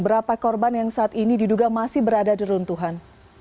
berapa korban yang saat ini diduga masih berada di runtuhan